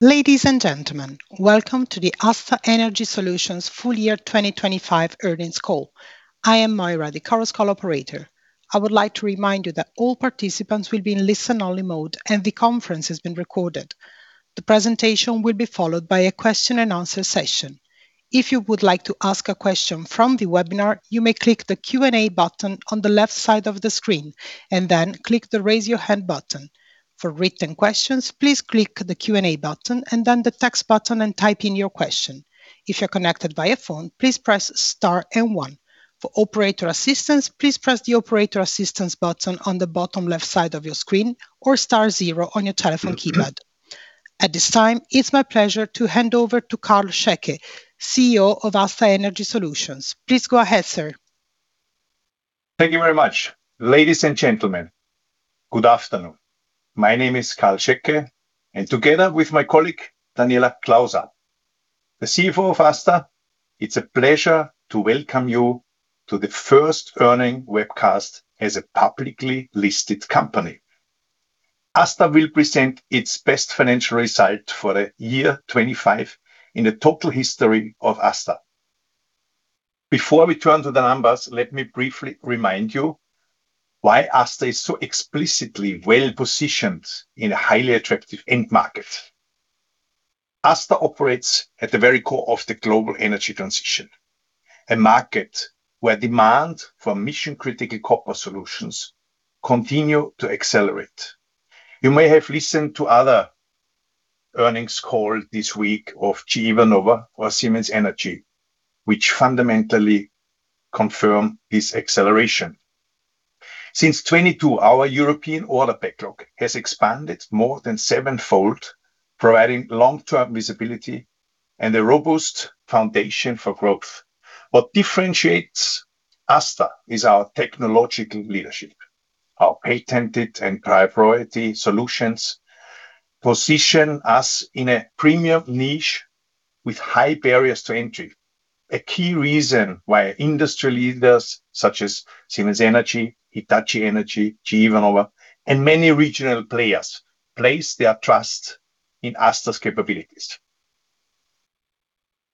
Ladies and gentlemen, welcome to the ASTA Energy Solutions full year 2025 earnings call. I am Moira, the Chorus Call operator. I would like to remind you that all participants will be in listen-only mode and the conference is being recorded. The presentation will be followed by a question and answer session. If you would like to ask a question from the webinar, you may click the Q&A button on the left side of the screen, and then click the raise your hand button. For written questions, please click the Q&A button and then the text button and type in your question. If you're connected via phone, please press star and one. For operator assistance, please press the operator assistance button on the bottom left side of your screen or star zero on your telephone keypad. At this time, it's my pleasure to hand over to Karl Schäcke, CEO of ASTA Energy Solutions. Please go ahead, sir. Thank you very much. Ladies and gentlemen, good afternoon. My name is Karl Schäcke, and together with my colleague, Daniela Klauser, the CFO of ASTA, it's a pleasure to welcome you to the first earnings webcast as a publicly listed company. ASTA will present its best financial result for the year 2025 in the total history of ASTA. Before we turn to the numbers, let me briefly remind you why ASTA is so explicitly well-positioned in a highly attractive end market. ASTA operates at the very core of the global energy transition, a market where demand for mission-critical copper solutions continue to accelerate. You may have listened to other earnings call this week of GE Vernova or Siemens Energy, which fundamentally confirm this acceleration. Since 2022, our European order backlog has expanded more than sevenfold, providing long-term visibility and a robust foundation for growth. What differentiates ASTA is our technological leadership. Our patented and priority solutions position us in a premium niche with high barriers to entry, a key reason why industry leaders such as Siemens Energy, Hitachi Energy, GE Vernova and many regional players place their trust in ASTA's capabilities.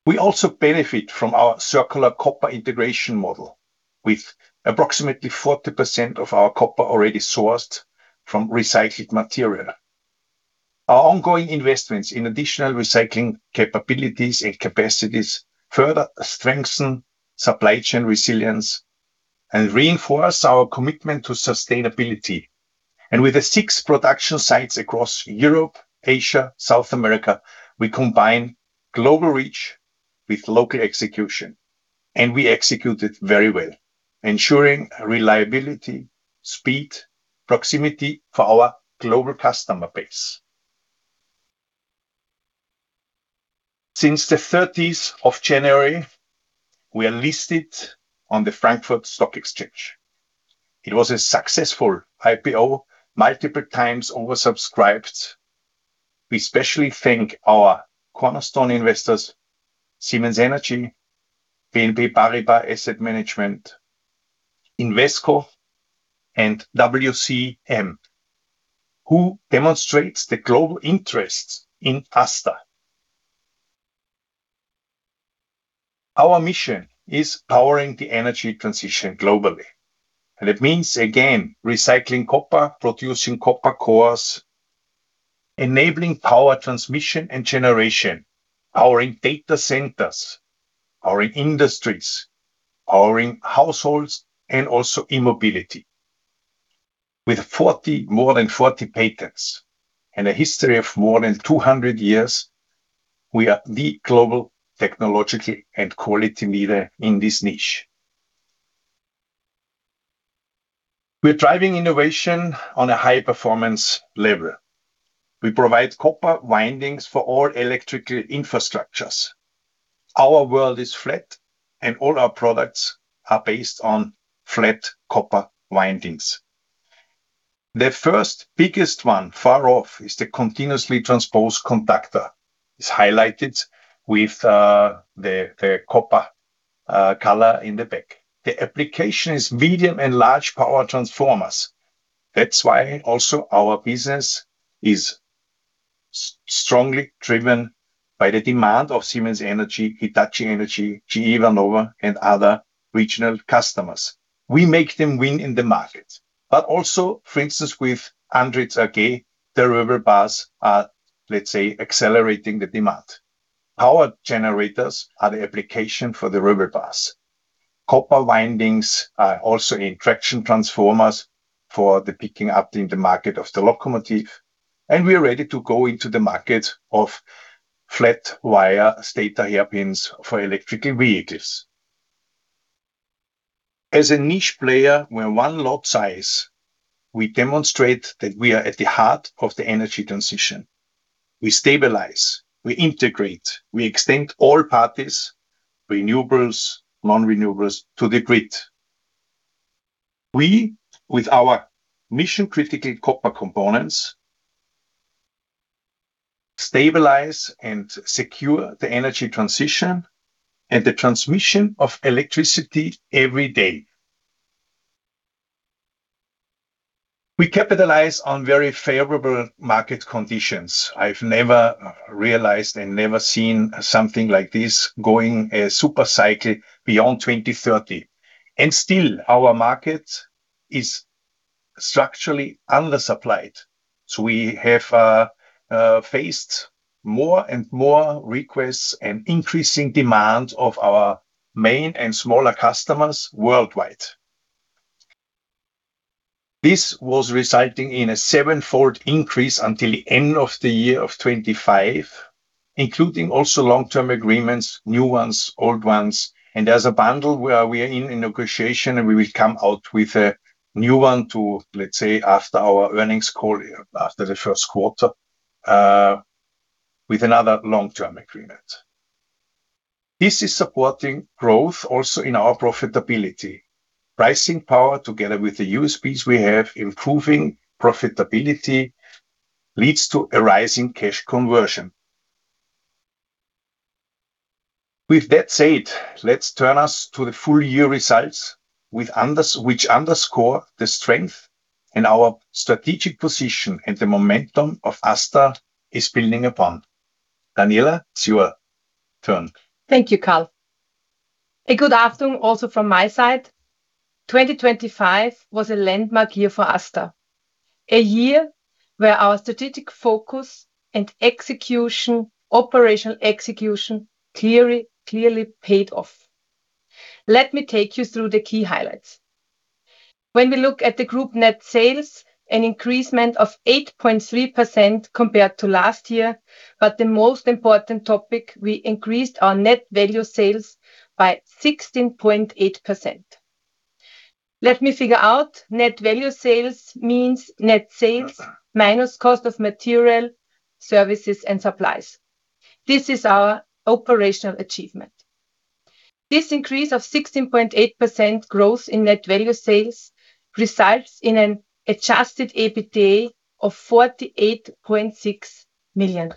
We also benefit from our circular copper integration model, with approximately 40% of our copper already sourced from recycled material. Our ongoing investments in additional recycling capabilities and capacities further strengthen supply chain resilience and reinforce our commitment to sustainability. With the six production sites across Europe, Asia, South America, we combine global reach with local execution, and we execute it very well, ensuring reliability, speed, proximity for our global customer base. Since the 30th of January, we are listed on the Frankfurt Stock Exchange. It was a successful IPO, multiple times oversubscribed. We especially thank our cornerstone investors, Siemens Energy, BNP Paribas Asset Management, Invesco and WCM, who demonstrates the global interest in ASTA. Our mission is powering the energy transition globally, and it means, again, recycling copper, producing copper cores, enabling power transmission and generation, powering data centers, powering industries, powering households, and also e-mobility. With more than 40 patents and a history of more than 200 years, we are the global technological and quality leader in this niche. We are driving innovation on a high-performance level. We provide copper windings for all electrical infrastructures. Our world is flat and all our products are based on flat copper windings. The first biggest one by far is the Continuously Transposed Conductor. It's highlighted with the copper color in the back. The application is medium and large power transformers. That's why also our business is strongly driven by the demand of Siemens Energy, Hitachi Energy, GE Vernova and other regional customers. We make them win in the market. Also, for instance, with Andritz AG, their Roebel bars are, let's say, accelerating the demand. Power generators are the application for the Roebel bars. Copper windings are also in traction transformers for the picking up in the market of the locomotive, and we are ready to go into the market of flat wire stator hairpins for electric vehicles. As a niche player with one lot size, we demonstrate that we are at the heart of the energy transition. We stabilize, we integrate, we extend all parties, renewables, non-renewables to the grid. We, with our mission-critical copper components, stabilize and secure the energy transition and the transmission of electricity every day. We capitalize on very favorable market conditions. I've never realized and never seen something like this going a super cycle beyond 2030, and still our market is structurally undersupplied. We have faced more and more requests and increasing demand of our main and smaller customers worldwide. This was resulting in a sevenfold increase until the end of the year of 2025, including also long-term agreements, new ones, old ones, and as a bundle where we are in negotiation and we will come out with a new one to, let's say, after our earnings call after the first quarter, with another long-term agreement. This is supporting growth also in our profitability. Pricing power, together with the USPs we have, improving profitability leads to a rise in cash conversion. With that said, let's turn to the full year results which underscore the strength in our strategic position and the momentum of ASTA is building upon. Daniela, it's your turn. Thank you, Karl. Good afternoon also from my side. 2025 was a landmark year for ASTA. A year where our strategic focus and execution, operational execution clearly paid off. Let me take you through the key highlights. When we look at the group net sales, an increase of 8.3% compared to last year, but the most important topic, we increased our Net Value Sales by 16.8%. Let me figure out Net Value Sales means: net sales minus cost of material, services, and supplies. This is our operational achievement. This increase of 16.8% growth in Net Value Sales results in an Adjusted EBITDA of 48.6 million,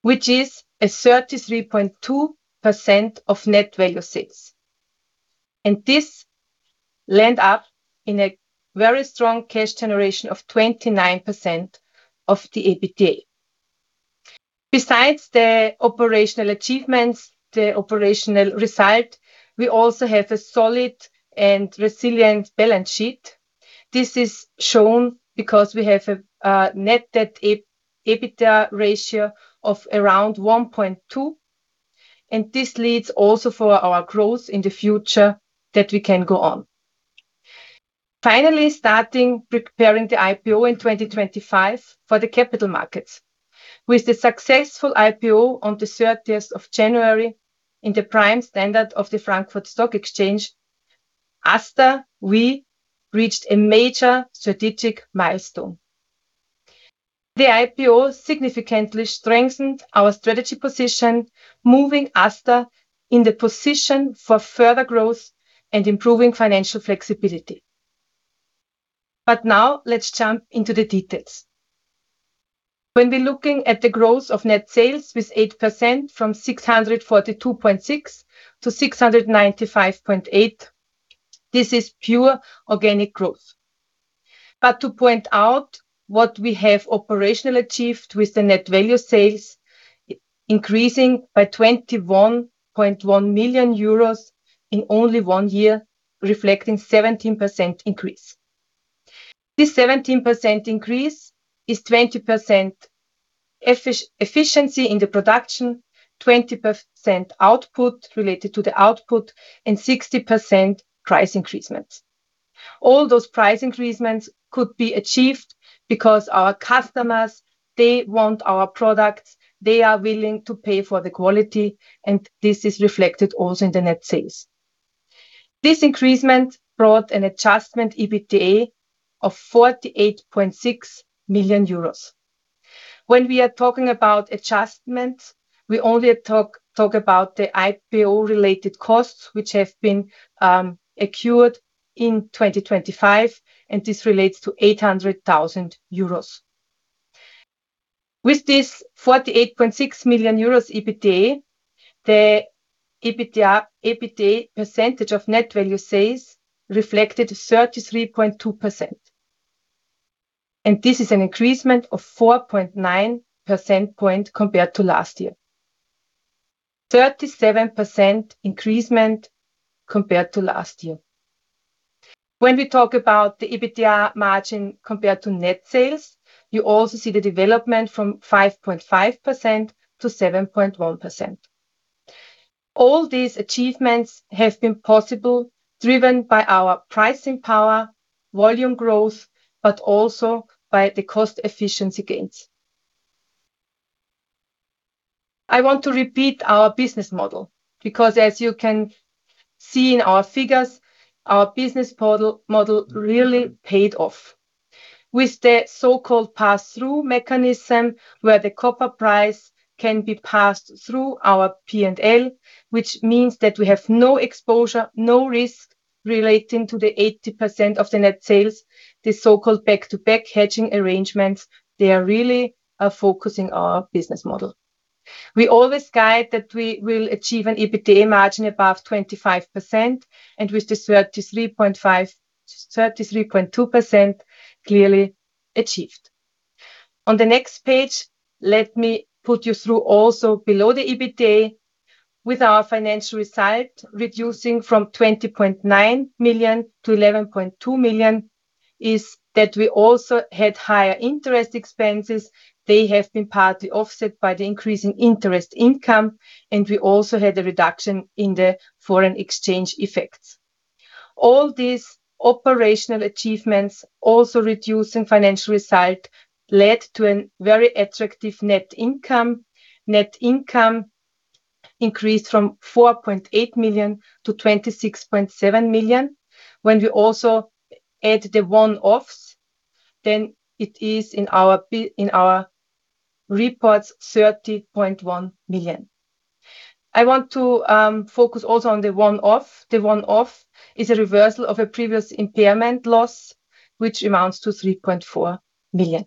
which is a 33.2% of Net Value Sales. This land up in a very strong cash generation of 29% of the EBITDA. Besides the operational achievements, the operational result, we also have a solid and resilient balance sheet. This is shown because we have a net debt EBITDA ratio of around 1.2%, and this leads also for our growth in the future that we can go on. Finally, starting preparing the IPO in 2025 for the capital markets. With the successful IPO on the 30th of January in the Prime Standard of the Frankfurt Stock Exchange, ASTA, we reached a major strategic milestone. The IPO significantly strengthened our strategic position, moving ASTA in the position for further growth and improving financial flexibility. Now let's jump into the details. When we're looking at the growth of net sales with 8% from 642.6 million-695.8 million, this is pure organic growth. To point out what we have operationally achieved with the Net Value Sales increasing by 21.1 million euros in only one year, reflecting 17% increase. This 17% increase is 20% efficiency in the production, 20% output related to the output, and 60% price increasements. All those price increasements could be achieved because our customers, they want our products. They are willing to pay for the quality, and this is reflected also in the net sales. This increasements brought an Adjusted EBITDA of 48.6 million euros. When we are talking about adjustments, we only talk about the IPO-related costs, which have been accrued in 2025, and this relates to 800,000 euros. With this 48.6 million euros EBITDA, the EBITDA percentage of net value sales reflected 33.2%, and this is an increase of 4.9% point compared to last year. 37% increase compared to last year. When we talk about the EBITDA margin compared to net sales, you also see the development from 5.5%-7.1%. All these achievements have been possible, driven by our pricing power, volume growth, but also by the cost efficiency gains. I want to repeat our business model because as you can see in our figures, our business model really paid off. With the so-called pass-through mechanism, where the copper price can be passed through our P&L, which means that we have no exposure, no risk relating to the 80% of the net sales, the so-called back-to-back hedging arrangements, they are really focusing our business model. We always guide that we will achieve an EBITDA margin above 25%, and with the 33.2% clearly achieved. On the next page, let me walk you through also below the EBITDA with our financial result reducing from 20.9 million-11.2 million. It's that we also had higher interest expenses. They have been partly offset by the increase in interest income, and we also had a reduction in the foreign exchange effects. All these operational achievements also reducing financial result led to a very attractive net income. Net income increased from 4.8 million-26.7 million. When we also add the one-offs, then it is in our reports, 30.1 million. I want to focus also on the one-off. The one-off is a reversal of a previous impairment loss, which amounts to 3.4 million.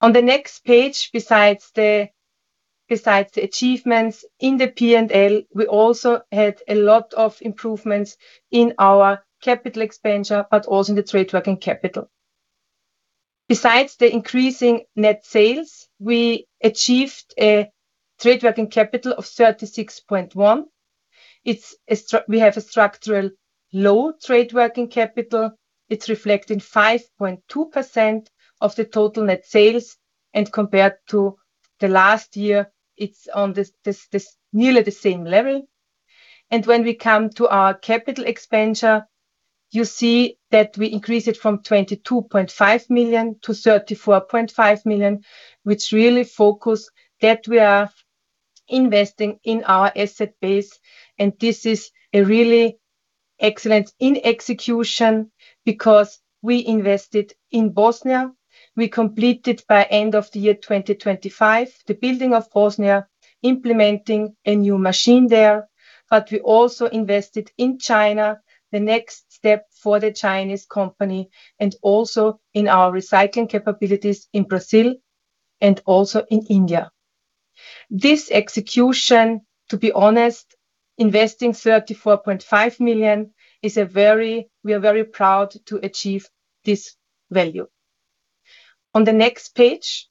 On the next page, besides the achievements in the P&L, we also had a lot of improvements in our capital expenditure, but also in the trade working capital. Besides the increasing net sales, we achieved a trade working capital of 36.1. We have a structural low trade working capital. It's reflecting 5.2% of the total net sales, and compared to the last year, it's on nearly the same level. When we come to our capital expenditure, you see that we increase it from 22.2 million-34.5 million, which really focus that we are investing in our asset base. This is a really excellent in execution because we invested in Bosnia. We completed by the end of the year 2025, the building in Bosnia, implementing a new machine there. We also invested in China, the next step for the Chinese company, and also in our recycling capabilities in Brazil and also in India. This execution, to be honest, investing 34.5 million, we are very proud to achieve this value. On the next page,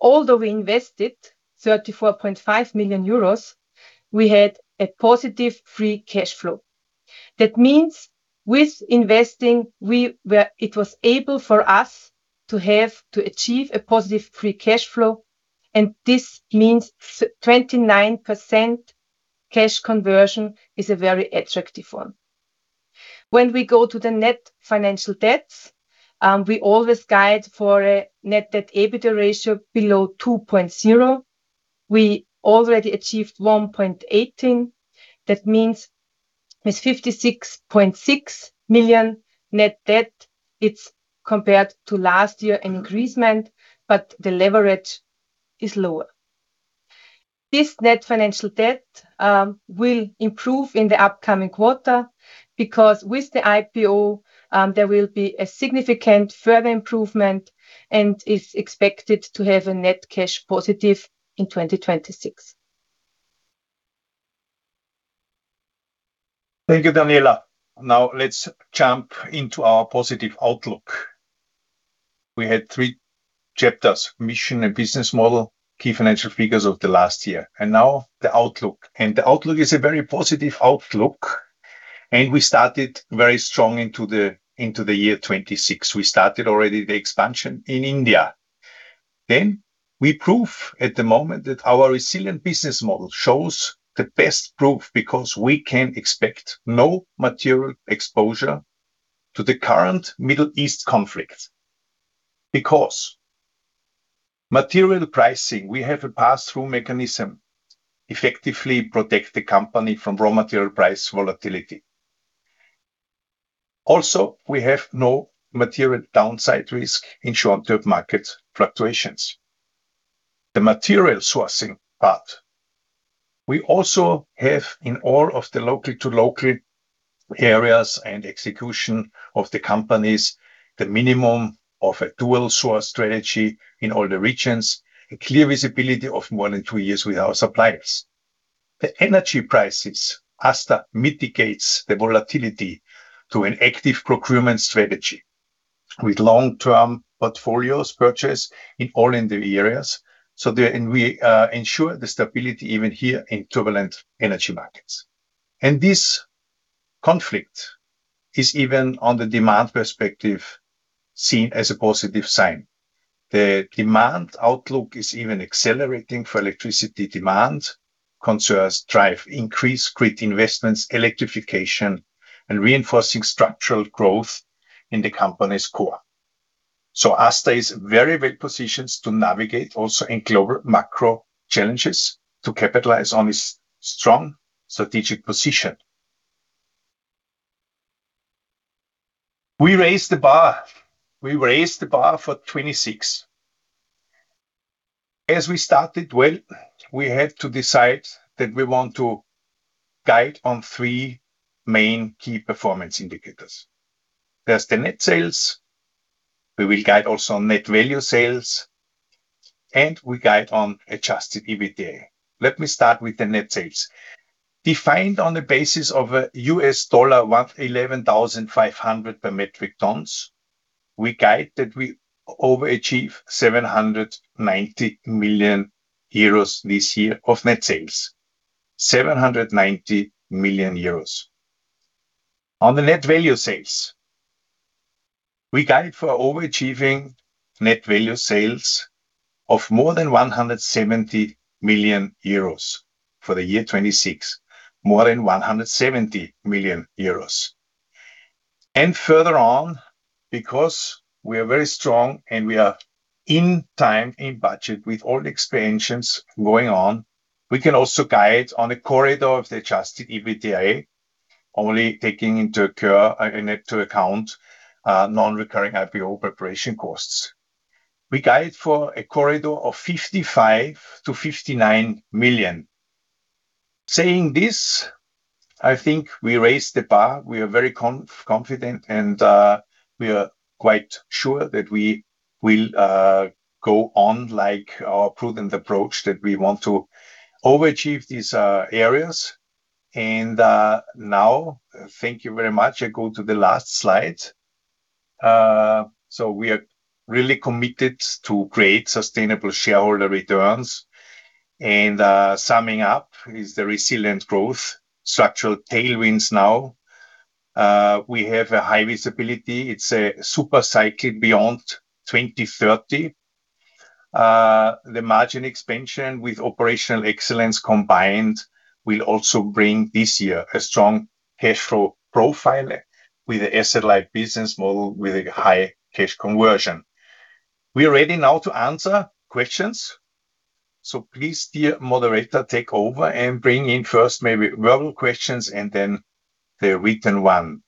although we invested 34.5 million euros, we had a positive free cash flow. That means with investing, it was able for us to achieve a positive free cash flow, and this means 29% cash conversion is a very attractive one. When we go to the net financial debts, we always guide for a net debt EBITDA ratio below 2.0%. We already achieved 1.18%. That means with 56.6 million net debt, it's compared to last year, an increasement, but the leverage is lower. This net financial debt will improve in the upcoming quarter because with the IPO, there will be a significant further improvement and is expected to have a net cash positive in 2026. Thank you, Daniela. Now, let's jump into our positive outlook. We had three chapters: mission and business model, key financial figures of the last year, and now the outlook. The outlook is a very positive outlook, and we started very strong into the year 2026. We started already the expansion in India. We prove at the moment that our resilient business model shows the best proof because we can expect no material exposure to the current Middle East conflict because material pricing, we have a pass-through mechanism, effectively protect the company from raw material price volatility. Also, we have no material downside risk in short-term market fluctuations. The material sourcing part. We also have in all of the local-to-local areas and execution of the companies, the minimum of a dual-source strategy in all the regions, a clear visibility of more than two years with our suppliers. The energy prices, ASTA mitigates the volatility through an active procurement strategy with long-term portfolios purchase in all the areas. There, we ensure the stability even here in turbulent energy markets. This conflict is even on the demand perspective, seen as a positive sign. The demand outlook is even accelerating for electricity demand. Concerns drive increased grid investments, electrification, and reinforcing structural growth in the company's core. ASTA is very well-positioned to navigate also in global macro challenges to capitalize on its strong strategic position. We raised the bar for 2026. We started well, we had to decide that we want to guide on three main key performance indicators. The estimate sales. We will guide also on Net Value Sales, and we guide on Adjusted EBITDA. Let me start with the net sales. Defined on the basis of $11,500 per metric ton, we guide that we overachieve 790 million euros this year of net sales. 790 million euros. On the net value sales, we guide for overachieving net value sales of more than 170 million euros for the year 2026. More than EUR 170 million. Further on, because we are very strong and we are in time, in budget with all the expansions going on, we can also guide on a corridor of the Adjusted EBITDA, only taking into account non-recurring IPO preparation costs. We guide for a corridor of 55 million-59 million. Saying this, I think we raised the bar. We are very confident, and we are quite sure that we will go on like our prudent approach, that we want to overachieve these areas. Now, thank you very much. I go to the last slide. We are really committed to create sustainable shareholder returns. Summing up is the resilient growth structural tailwinds now. We have a high visibility. It's a super cycle beyond 2030. The margin expansion with operational excellence combined will also bring this year a strong cash flow profile with the asset-light business model with a high cash conversion. We are ready now to answer questions. Please, dear moderator, take over and bring in first maybe verbal questions and then the written one.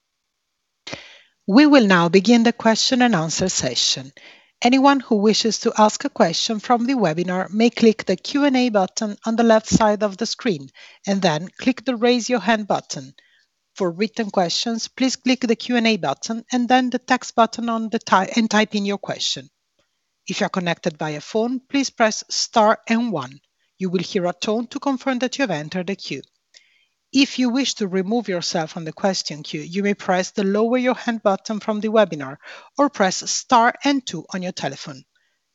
We will now begin the question and answer session. Anyone who wishes to ask a question from the webinar may click the Q&A button on the left side of the screen and then click the Raise Your Hand button. For written questions, please click the Q&A button and then the text button, and type in your question. If you are connected via phone, please press star and one. You will hear a tone to confirm that you have entered a queue. If you wish to remove yourself from the question queue, you may press the Lower Your Hand button from the webinar or press star and two on your telephone.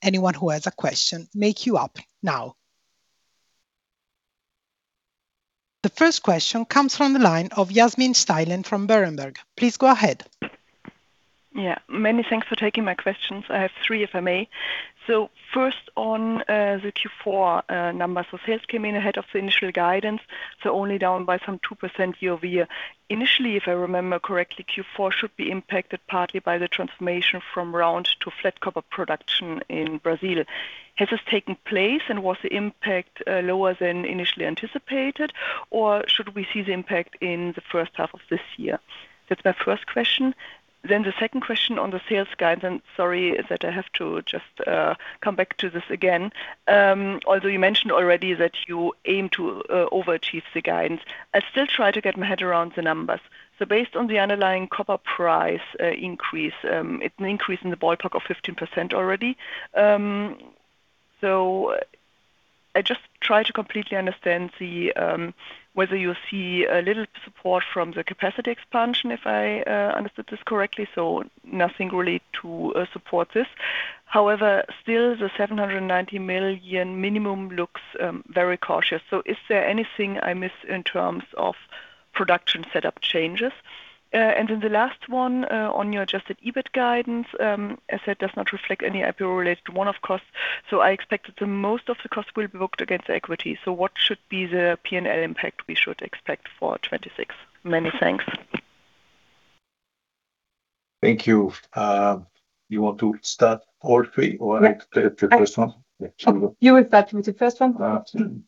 Anyone who has a question may queue up now. The first question comes from the line of Yasmin Steilen from Berenberg. Please go ahead. Yeah. Many thanks for taking my questions. I have three, if I may. First on the Q4 numbers. Sales came in ahead of the initial guidance, only down by some 2% year-over-year. Initially, if I remember correctly, Q4 should be impacted partly by the transformation from round to flat copper production in Brazil. Has this taken place, and was the impact lower than initially anticipated, or should we see the impact in the first half of this year? That's my first question. The second question on the sales guidance, sorry that I have to just come back to this again. Although you mentioned already that you aim to overachieve the guidance, I still try to get my head around the numbers. Based on the underlying copper price increase, it's an increase in the ballpark of 15% already. I just try to completely understand whether you see a little support from the capacity expansion, if I understood this correctly. Nothing really to support this. However, still the 790 million minimum looks very cautious. Is there anything I miss in terms of production setup changes? Then the last one, on your Adjusted EBIT guidance, as that does not reflect any IPO-related one-off costs, so I expected that most of the cost will be booked against the equity. What should be the P&L impact we should expect for 2026? Many thanks. Thank you. You want to start all three or the first one? You will start with the first one.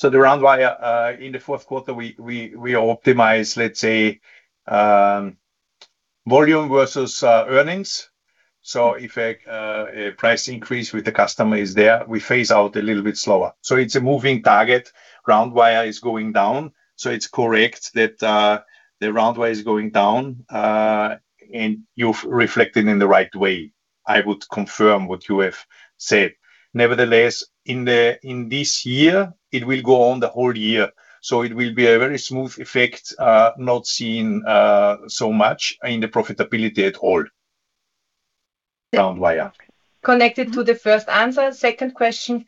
The round wire, in the fourth quarter, we optimize, let's say, volume versus earnings. If a price increase with the customer is there, we phase out a little bit slower. It's a moving target. Round wire is going down. It's correct that the round wire is going down, and you've reflected in the right way. I would confirm what you have said. Nevertheless, in this year, it will go on the whole year. It will be a very smooth effect, not seen so much in the profitability at all. Round wire. Connected to the first answer, second question.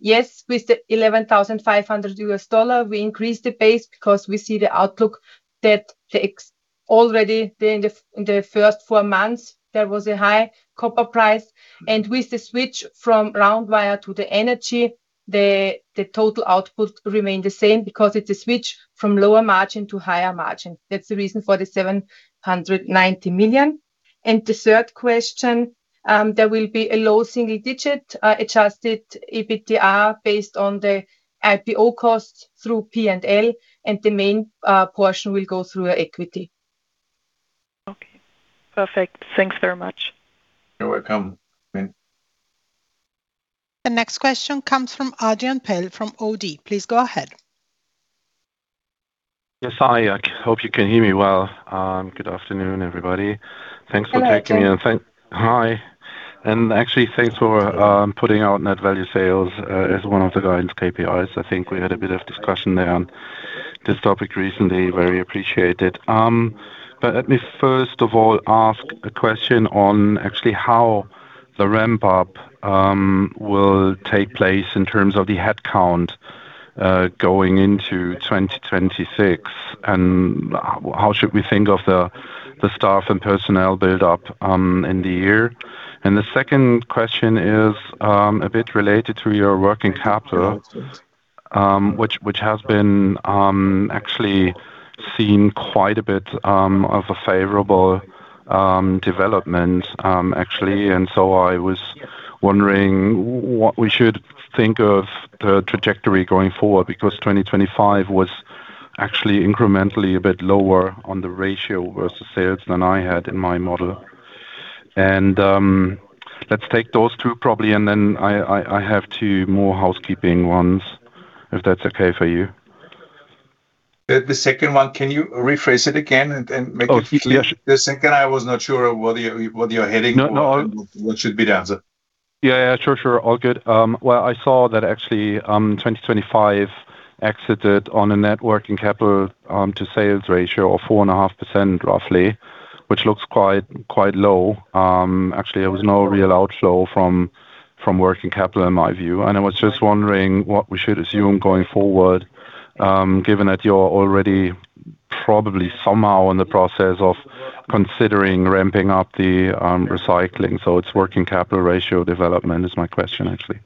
Yes, with the $11,500, we increased the base because we see the outlook that takes already in the first four months, there was a high copper price. With the switch from round wire to the energy, the total output remained the same because it's a switch from lower margin to higher margin. That's the reason for the 790 million. The third question, there will be a low single-digit Adjusted EBITDA based on the IPO cost through P&L, and the main portion will go through our equity. Okay. Perfect. Thanks very much. You're welcome, Yasmin. The next question comes from Adrian Pehl from ODDO. Please go ahead. Yes. Hi, I hope you can hear me well. Good afternoon, everybody. Thanks for taking me. Hello. Hi, actually thanks for putting out Net Value Sales as one of the guidance KPIs. I think we had a bit of discussion there on this topic recently. Very appreciated. Let me first of all ask a question on actually how the ramp up will take place in terms of the headcount going into 2026, and how should we think of the staff and personnel build-up in the year? The second question is a bit related to your working capital, which has been actually seen quite a bit of a favorable development. I was wondering what we should think of the trajectory going forward, because 2025 was actually incrementally a bit lower on the ratio versus sales than I had in my model. Let's take those two probably, and then I have two more housekeeping ones, if that's okay for you. The second one, can you rephrase it again and make it clear? Oh, yes. The second, I was not sure what you're heading for. No. What should be the answer? Yeah, sure. All good. Well, I saw that actually, 2025 exited on a net working capital to sales ratio of 4.5% roughly, which looks quite low. Actually, there was no real outflow from working capital, in my view. I was just wondering what we should assume going forward, given that you're already probably somehow in the process of considering ramping up the recycling. It's working capital ratio development is my question, actually.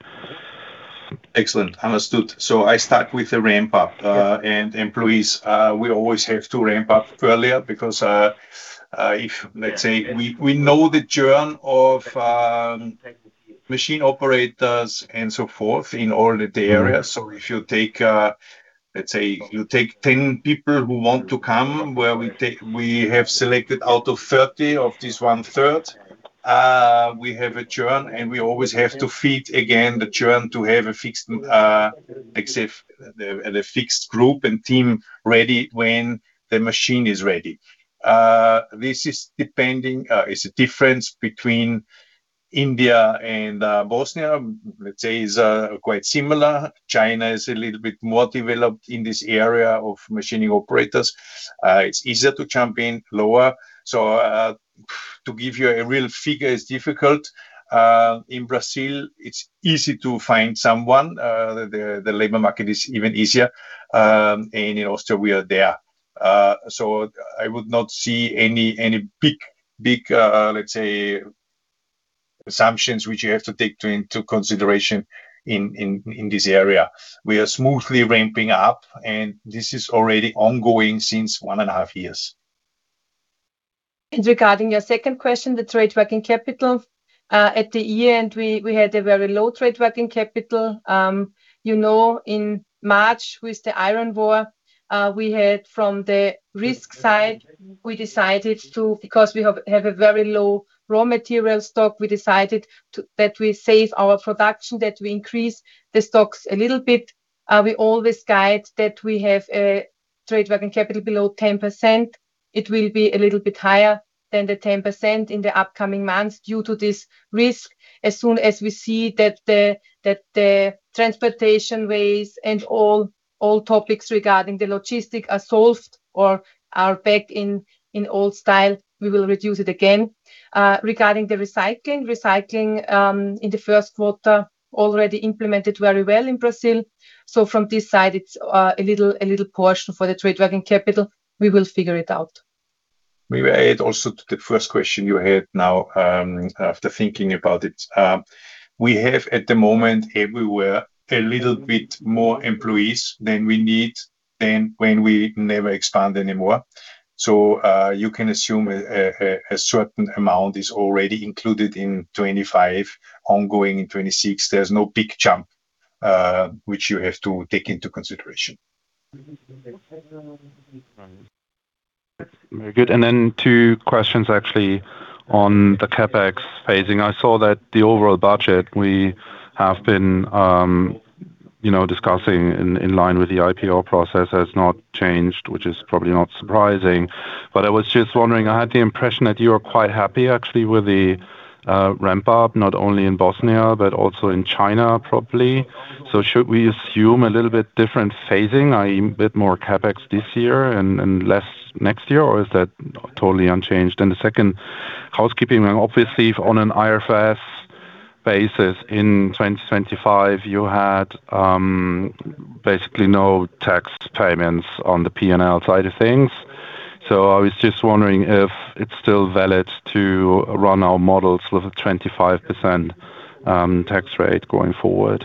Excellent. Understood. I start with the ramp up. Yeah. Employees, we always have to ramp up earlier because if, let's say, we know the churn of machine operators and so forth in all of the areas. If you take, let's say, you take 10 people who want to come, where we have selected out of 30 of this one-third, we have a churn, and we always have to feed again the churn to have a fixed group and team ready when the machine is ready. This is depending, is a difference between India and Bosnia, let's say, is quite similar. China is a little bit more developed in this area of machining operators. It's easier to jump in lower. To give you a real figure is difficult. In Brazil, it's easy to find someone. The labor market is even easier, and in Austria, we are there. I would not see any big, let's say, assumptions which you have to take into consideration in this area. We are smoothly ramping up, and this is already ongoing since one and a half years. Regarding your second question, the trade working capital. At the year-end, we had a very low trade working capital. In March with the Iran war, we had from the risk side, we decided to, because we have a very low raw material stock, we decided that we save our production, that we increase the stocks a little bit. We always guide that we have a trade working capital below 10%. It will be a little bit higher than the 10% in the upcoming months due to this risk. As soon as we see that the transportation ways and all topics regarding the logistic are solved or are back in old style, we will reduce it again. Regarding the recycling in the first quarter already implemented very well in Brazil. So from this side, it's a little portion for the trade working capital. We will figure it out. Maybe I add also to the first question you had now after thinking about it. We have, at the moment, everywhere a little bit more employees than we need than when we never expand anymore. You can assume a certain amount is already included in 2025, ongoing in 2026. There's no big jump which you have to take into consideration. Very good. Then two questions actually on the CapEx phasing. I saw that the overall budget we have been discussing in line with the IPO process has not changed, which is probably not surprising. I was just wondering, I had the impression that you are quite happy actually with the ramp up, not only in Bosnia, but also in China, probably. Should we assume a little bit different phasing, a bit more CapEx this year and less next year, or is that totally unchanged? The second, housekeeping, obviously on an IFRS basis in 2025, you had basically no tax payments on the P&L side of things. I was just wondering if it's still valid to run our models with a 25% tax rate going forward.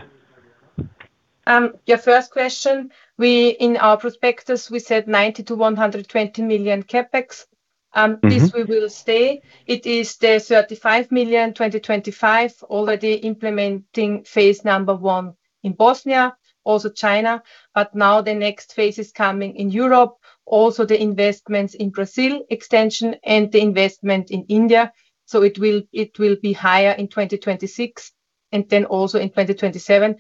Your first question, in our prospectus, we said 90 million-120 million CapEx. Mm-hmm. This we will stay. It is the 35 million 2025 already implementing phase number one in Bosnia, also China. Now the next phase is coming in Europe, also the investments in Brazil extension and the investment in India. It will be higher in 2026. Then also in 2027.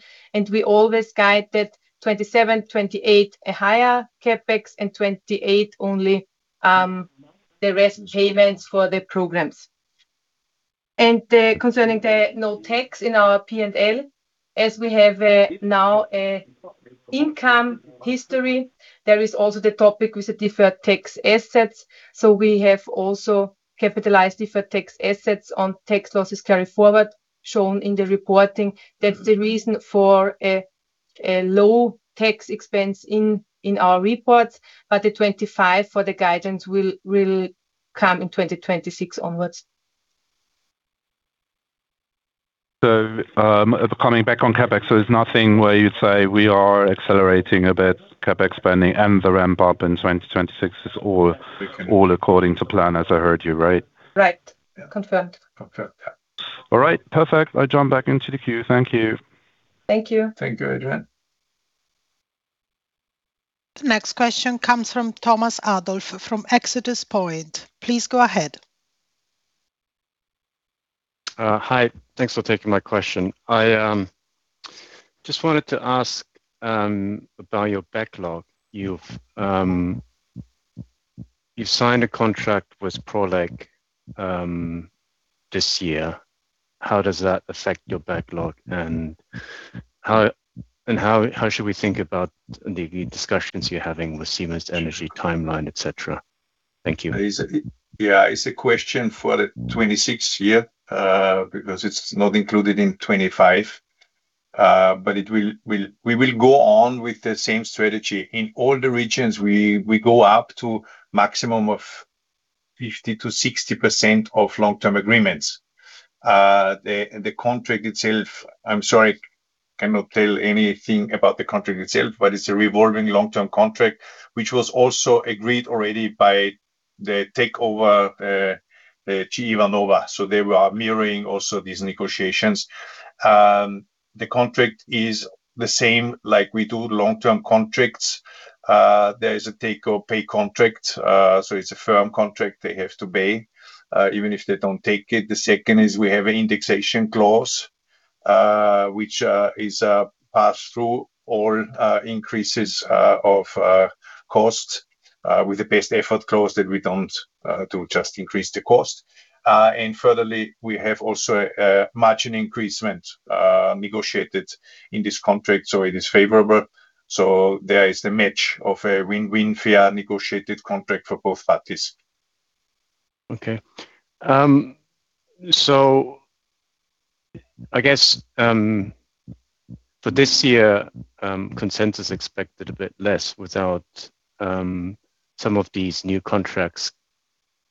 We always guide that 2027, 2028, a higher CapEx, and 2028 only the rest payments for the programs. Concerning the no tax in our P&L, as we have now an income history, there is also the topic with the deferred tax assets. We have also capitalized deferred tax assets on tax loss carryforwards shown in the reporting. That's the reason for a low tax expense in our reports. The 2025 for the guidance will come in 2026 onwards. Coming back on CapEx, so it's nothing where you say we are accelerating a bit CapEx spending and the ramp-up in 2026 is all according to plan as I heard you, right? Right. Confirmed. Confirmed. Yeah. All right. Perfect. I jump back into the queue. Thank you. Thank you. Thank you, Adrian. The next question comes from Thomas Adolf from ExodusPoint. Please go ahead. Hi. Thanks for taking my question. I just wanted to ask about your backlog. You've signed a contract with Prolec this year. How does that affect your backlog, and how should we think about the discussions you're having with Siemens Energy timeline, et cetera? Thank you. Yeah. It's a question for the 2026 year, because it's not included in 2025. We will go on with the same strategy. In all the regions, we go up to maximum of 50%-60% of long-term agreements. The contract itself, I'm sorry, I cannot tell anything about the contract itself, but it's a revolving long-term contract, which was also agreed already by the takeover, GE Vernova. They were mirroring also these negotiations. The contract is the same like we do long-term contracts. There is a take-or-pay contract, so it's a firm contract they have to pay, even if they don't take it. The second is we have an indexation clause, which is a pass-through of all increases of cost, with the best effort clause that we don't do just increase the cost. And furtherly, we have also a margin increase negotiated in this contract, so it is favorable. There is the match of a win-win fair negotiated contract for both parties. Okay. I guess, for this year, consensus expected a bit less without some of these new contracts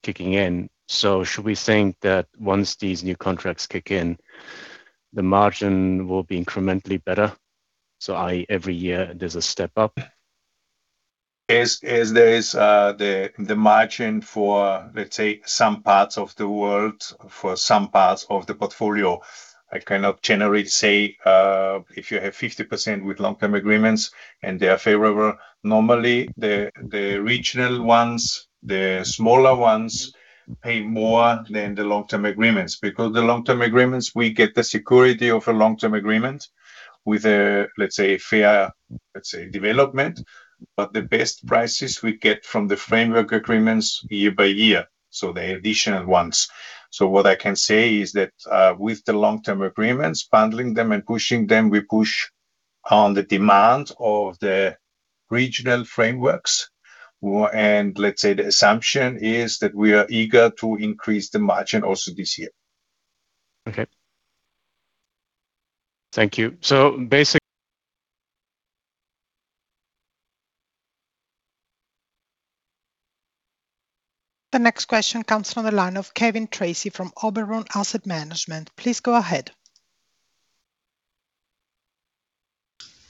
kicking in. Should we think that once these new contracts kick in, the margin will be incrementally better? So, I every year there's a step up? There is the margin for, let's say, some parts of the world, for some parts of the portfolio. I cannot generally say, if you have 50% with Long-Term Agreements and they are favorable. Normally, the regional ones, the smaller ones pay more than the Long-Term Agreements. Because the Long-Term Agreements, we get the security of a Long-Term Agreement with a, let's say, fair development. The best prices we get from the framework agreements year by year, so the additional ones. What I can say is that, with the Long-Term Agreements, bundling them and pushing them, we push on the demand of the regional frameworks. Let's say the assumption is that we are eager to increase the margin also this year. Okay. Thank you. The next question comes from the line of Kevin Tracey from Oberon Asset Management. Please go ahead.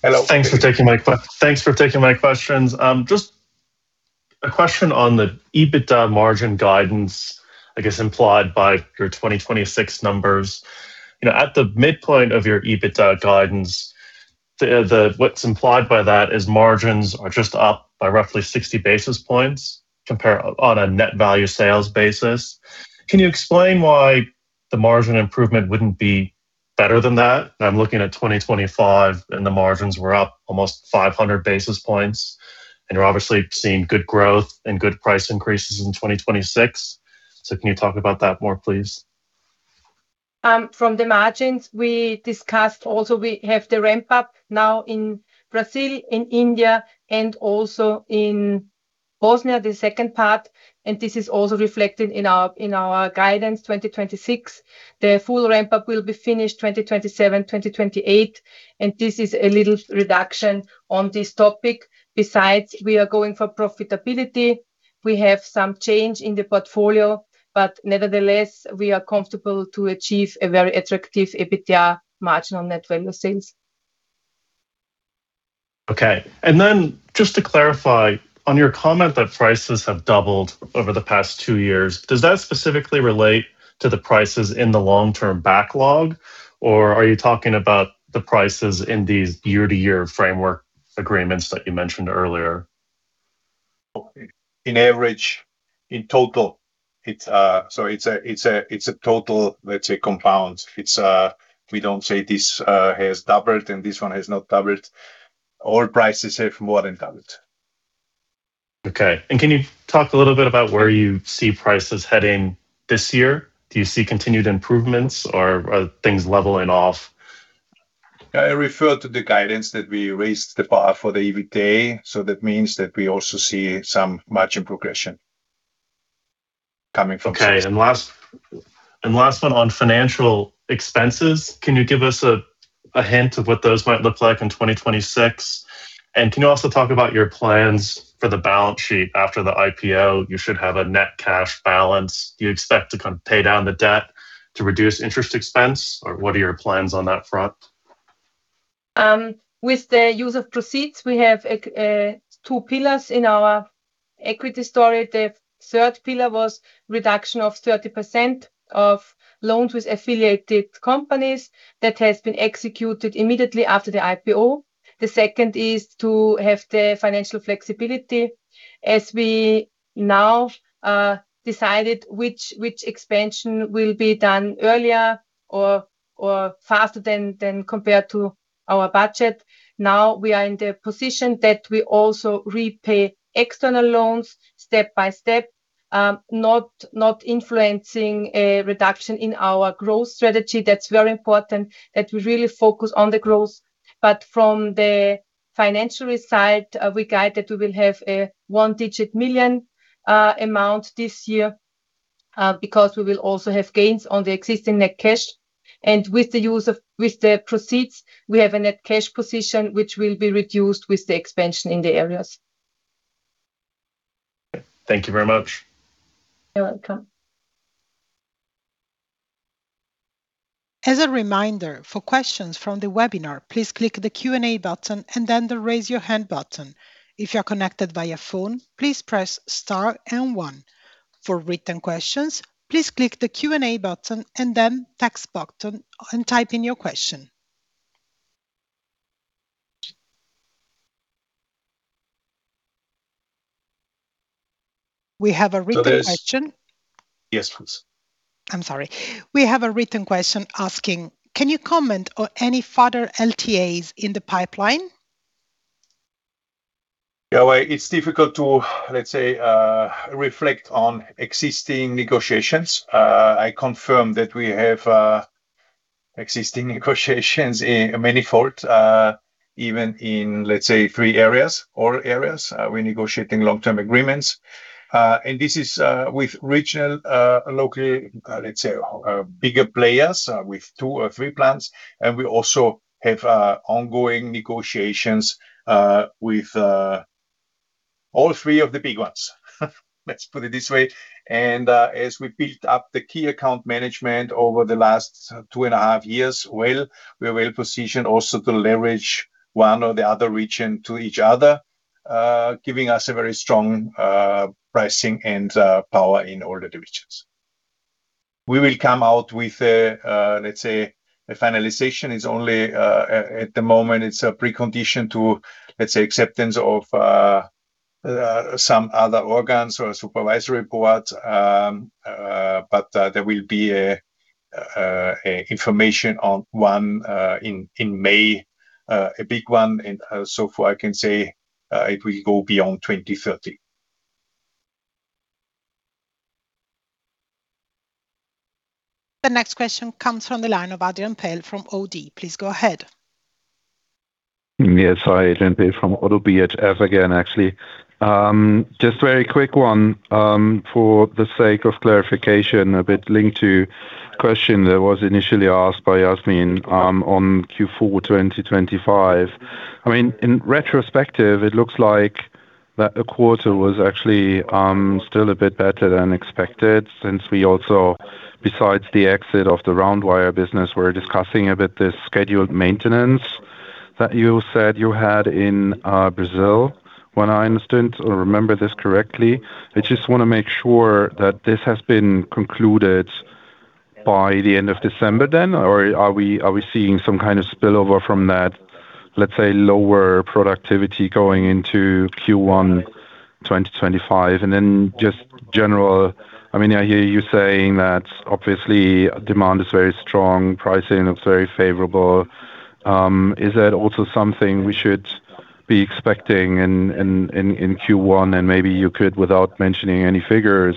Hello. Thanks for taking my questions. Just a question on the EBITDA margin guidance, I guess, implied by your 2026 numbers. At the midpoint of your EBITDA guidance, what's implied by that is margins are just up by roughly 60 basis points compared on a Net Value Sales basis. Can you explain why the margin improvement wouldn't be better than that? I'm looking at 2025, and the margins were up almost 500 basis points, and you're obviously seeing good growth and good price increases in 2026. Can you talk about that more, please? From the margins we discussed also we have the ramp-up now in Brazil, in India, and also in Bosnia, the second part, and this is also reflected in our guidance 2026. The full ramp-up will be finished 2027, 2028, and this is a little reduction on this topic. Besides, we are going for profitability. We have some change in the portfolio, but nevertheless, we are comfortable to achieve a very attractive EBITDA margin on Net Value Sales. Okay. Just to clarify, on your comment that prices have doubled over the past two years, does that specifically relate to the prices in the long-term backlog, or are you talking about the prices in these year-to-year framework agreements that you mentioned earlier? On average, in total. It's a total, let's say compound. We don't say this has doubled and this one has not doubled. All prices have more than doubled. Okay. Can you talk a little bit about where you see prices heading this year? Do you see continued improvements or are things leveling off? I refer to the guidance that we raised the bar for the EBITDA, so that means that we also see some margin progression coming from. Okay. Last one on financial expenses, can you give us a hint of what those might look like in 2026? Can you also talk about your plans for the balance sheet after the IPO? You should have a net cash balance. Do you expect to pay down the debt to reduce interest expense? What are your plans on that front? With the use of proceeds, we have two pillars in our equity story. The third pillar was reduction of 30% of loans with affiliated companies. That has been executed immediately after the IPO. The second is to have the financial flexibility as we now decided which expansion will be done earlier or faster than compared to our budget. Now we are in the position that we also repay external loans step by step, not influencing a reduction in our growth strategy. That's very important that we really focus on the growth. But from the financial side, we guided we will have a one-digit million amount this year, because we will also have gains on the existing net cash. With the proceeds, we have a net cash position which will be reduced with the expansion in the areas. Thank you very much. You're welcome. As a reminder, for questions from the webinar, please click the Q&A button and then the Raise Your Hand button. If you're connected via phone, please press star and one. For written questions, please click the Q&A button and then text button and type in your question. We have a written question. Yes, please. I'm sorry. We have a written question asking, can you comment on any further LTAs in the pipeline? Yeah. It's difficult to, let's say, reflect on existing negotiations. I confirm that we have existing negotiations in manifold. Even in, let's say, three areas, all areas, we're negotiating long-term agreements. This is with regional, local, let's say, bigger players with two or three plants. We also have ongoing negotiations with all three of the big ones. Let's put it this way. As we built up the key account management over the last two and a half years well, we are well-positioned also to leverage one or the other region to each other, giving us a very strong pricing power in all the divisions. We will come out with, let's say, a finalization. At the moment, it's a precondition to, let's say, acceptance of some other organs or supervisory boards, but there will be information on one in May, a big one. So far I can say it will go beyond 2030. The next question comes from the line of Adrian Pehl from ODDO. Please go ahead. Yes. Hi, Adrian Pehl from ODDO BHF again, actually. Just a very quick one, for the sake of clarification, a bit linked to the question that was initially asked by Yasmin on Q4 2025. In retrospect, it looks like the quarter was actually still a bit better than expected since we also, besides the exit of the round wire business, were discussing a bit the scheduled maintenance that you said you had in Brazil, which I understand or remember correctly. I just want to make sure that this has been concluded by the end of December then? Or are we seeing some kind of spillover from that, let's say, lower productivity going into Q1 2025? Then just generally, I hear you saying that obviously demand is very strong, pricing looks very favorable. Is that also something we should be expecting in Q1? Maybe you could, without mentioning any figures,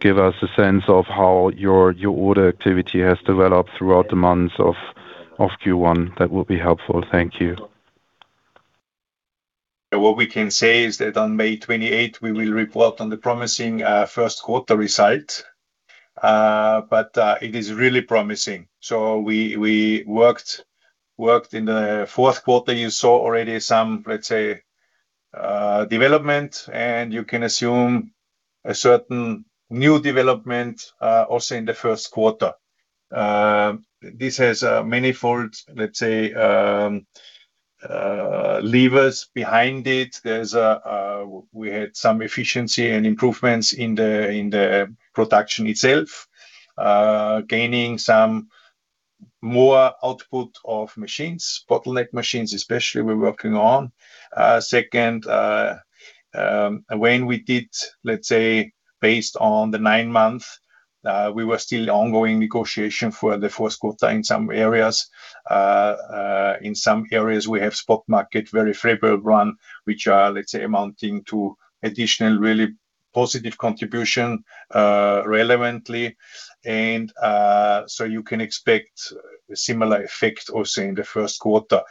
give us a sense of how your order activity has developed throughout the months of Q1. That will be helpful. Thank you. What we can say is that on May 28th, we will report on the promising first quarter result, but it is really promising. We worked in the fourth quarter, you saw already some, let's say, development, and you can assume a certain new development, also in the first quarter. This has a manifold, let's say, levers behind it. We had some efficiency and improvements in the production itself, gaining some more output of machines, bottleneck machines especially, we're working on. Second, when we did, let's say, based on the nine months, we were still ongoing negotiation for the first quarter in some areas. In some areas, we have spot market, very favorable run, which are amounting to additional, really positive contribution relevantly. You can expect a similar effect also in the first quarter.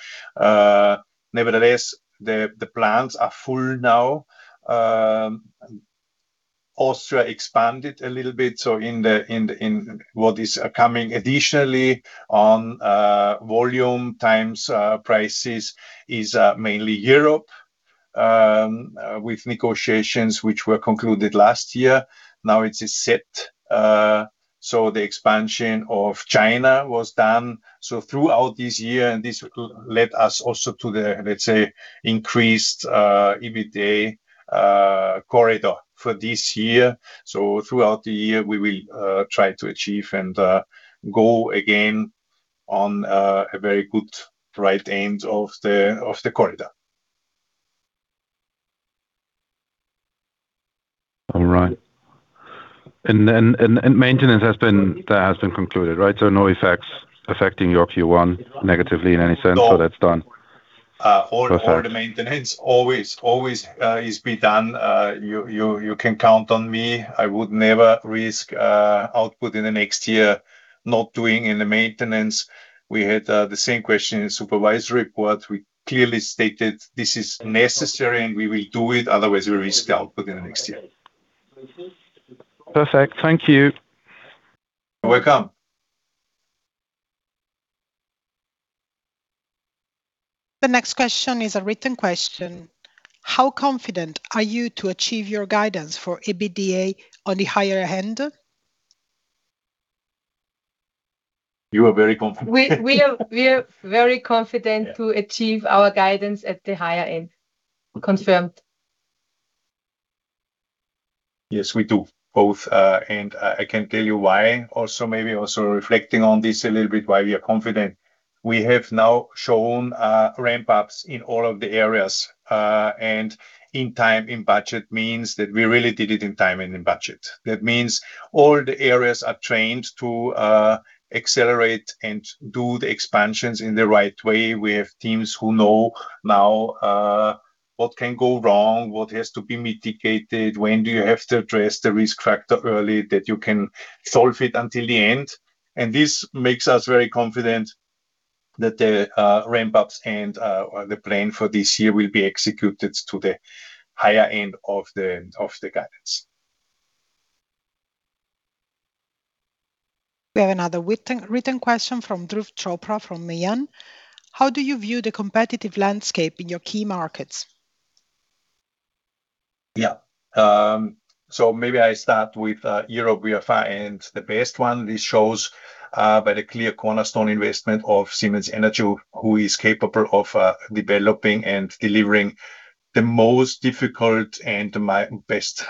Nevertheless, the plans are full now. Austria expanded a little bit. In what is coming additionally on volume times prices is mainly Europe, with negotiations which were concluded last year. Now it is set. The expansion of China was done. Throughout this year, and this led us also to the, let's say, increased EBITDA corridor for this year. Throughout the year, we will try to achieve and go again on a very good right end of the corridor. All right. Maintenance, that has been concluded, right? No effects affecting your Q1 negatively in any sense. No that's done? Perfect. All the maintenance always is be done. You can count on me. I would never risk output in the next year, not doing any maintenance. We had the same question in supervisory report. We clearly stated this is necessary and we will do it, otherwise we risk the output in the next year. Perfect. Thank you. You're welcome. The next question is a written question. How confident are you to achieve your guidance for EBITDA on the higher end? You are very confident. We are very confident. Yeah to achieve our guidance at the higher end. Confirmed. Yes, we do. Both. I can tell you why also, maybe also reflecting on this a little bit, why we are confident. We have now shown ramp-ups in all of the areas. In time, in budget means that we really did it in time and in budget. That means all the areas are trained to accelerate and do the expansions in the right way. We have teams who know now what can go wrong, what has to be mitigated, when do you have to address the risk factor early that you can solve it until the end. This makes us very confident that the ramp-ups and the plan for this year will be executed to the higher end of the guidance. We have another written question from Dhruv Chopra from Mian. How do you view the competitive landscape in your key markets? Yeah. Maybe I start with Europe. We are far and away the best one. This shows by the clear cornerstone investment of Siemens Energy, who is capable of developing and delivering the most difficult and the best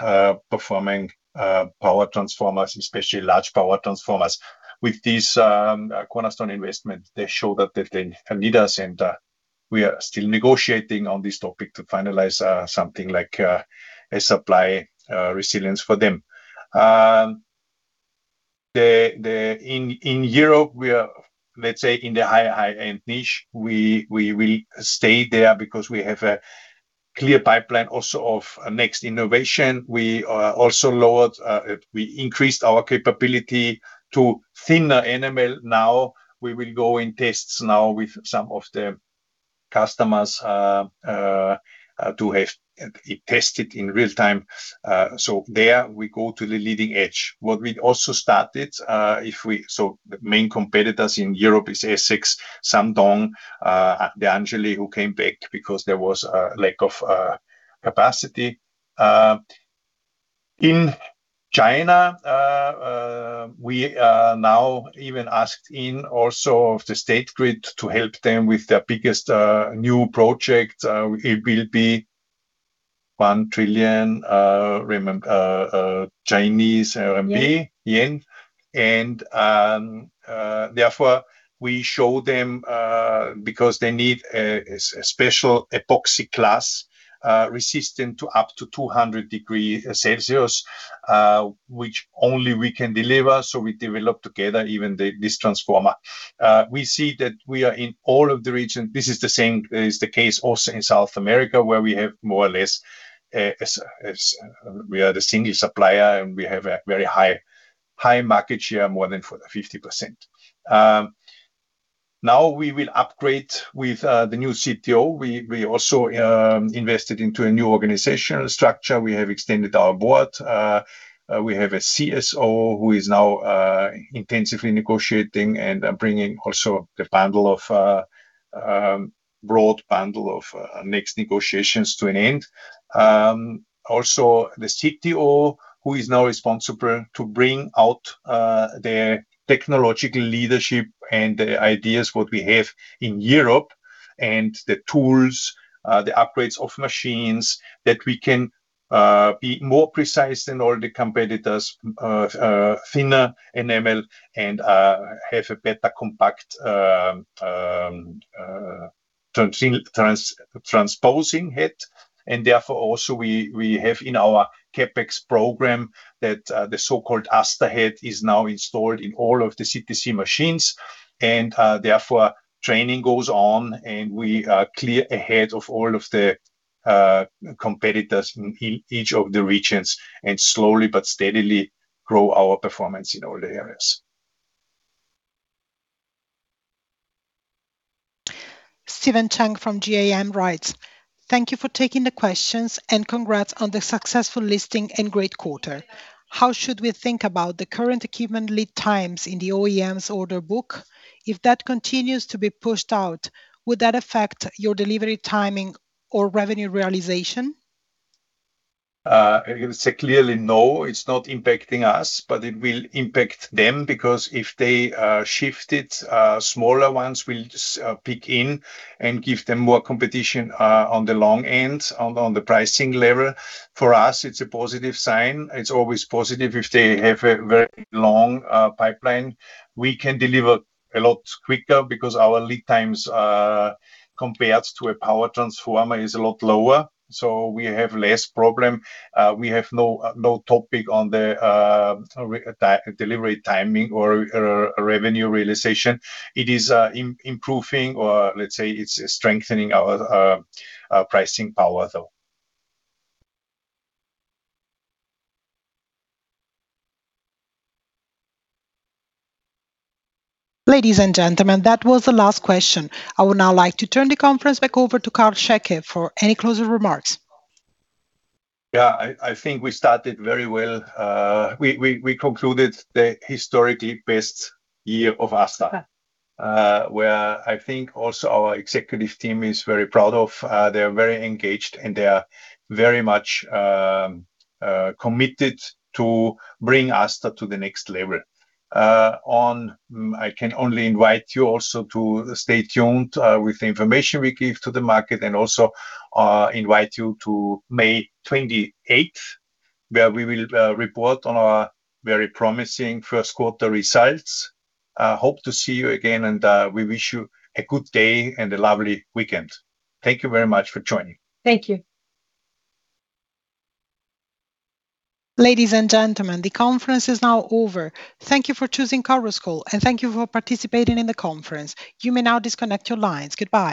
performing power transformers, especially large power transformers. With this cornerstone investment, they show that they need us, and we are still negotiating on this topic to finalize something like a supply resilience for them. In Europe, we are, let's say, in the high-end niche. We will stay there because we have a clear pipeline also of next innovation. We increased our capability to thinner enamel now. We will go in tests now with some of the customers to have it tested in real-time. There we go to the leading edge. What we also started, so the main competitors in Europe are Essex, Shandong, De Angeli, who came back because there was a lack of capacity. In China, we now even are also for the State Grid to help them with their biggest new project. It will be 1 trillion. Therefore, we show them, because they need a special epoxy class resistant to up to 200 degrees Celsius, which only we can deliver, so we develop together even this transformer. We see that we are in all of the regions. This is the same. It is the case also in South America, where we have more or less, we are the single supplier and we have a very high market share, more than 50%. Now we will upgrade with the new CTO. We also invested into a new organizational structure. We have extended our board. We have a CSO who is now intensively negotiating and bringing also the broad bundle of next negotiations to an end. Also, the CTO, who is now responsible to bring out the technological leadership and the ideas, what we have in Europe and the tools, the upgrades of machines that we can be more precise than all the competitors, thinner enamel, and have a better compact transposing head. Therefore, also we have in our CapEx program that the so-called ASTA head is now installed in all of the CTC machines. Therefore, training goes on, and we are clear ahead of all of the competitors in each of the regions, and slowly but steadily grow our performance in all the areas. Steven Chung from GAM writes: "Thank you for taking the questions, and congrats on the successful listing and great quarter. How should we think about the current equipment lead times in the OEM's order book? If that continues to be pushed out, would that affect your delivery timing or revenue realization? I'm going to say clearly, no. It's not impacting us, but it will impact them because if they shift it, smaller ones will just pick in and give them more competition on the long end on the pricing level. For us, it's a positive sign. It's always positive if they have a very long pipeline. We can deliver a lot quicker because our lead times, compared to a power transformer, is a lot lower, so we have less problem. We have no topic on the delivery timing or revenue realization. It is improving, or let's say it's strengthening our pricing power, though. Ladies and gentlemen, that was the last question. I would now like to turn the conference back over to Karl Schäcke for any closing remarks. Yeah. I think we started very well. We concluded the historically best year of ASTA, where I think also our executive team is very proud of. They are very engaged, and they are very much committed to bring ASTA to the next level. I can only invite you also to stay tuned with the information we give to the market, and also invite you to May 28th, where we will report on our very promising first quarter results. Hope to see you again, and we wish you a good day and a lovely weekend. Thank you very much for joining. Thank you. Ladies and gentlemen, the conference is now over. Thank you for choosing Chorus Call and thank you for participating in the conference. You may now disconnect your lines. Goodbye